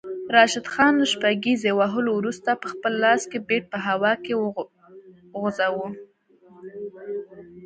راشد خان له شپږیزې وهلو وروسته پخپل لاس کې بیټ په هوا کې وخوځاوه